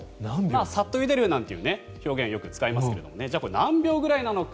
さっとゆでるなんて表現をよく使いますがこれ何秒ぐらいなのか。